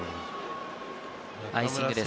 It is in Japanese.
アイシングです。